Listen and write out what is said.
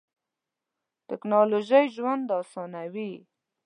ټیکنالوژی ژوند اسانوی.